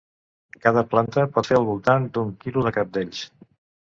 Cada planta pot fer al voltant d'un quilo de cabdells.